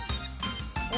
お。